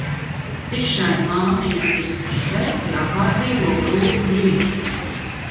Cik šai māmiņa ir dzīvē jāpārdzīvo grūtu brīžu!